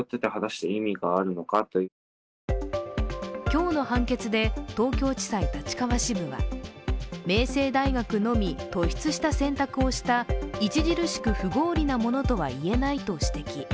今日の判決で東京地裁立川支部は明星大学のみ突出した選択をした、著しく不合理なものとは言えないと指摘。